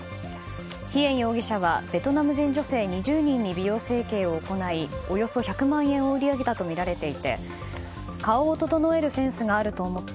ヒエン容疑者はベトナム人女性２０人に美容整形を行いおよそ１００万円を売り上げたとみられていて顔を整えるセンスがあると思った。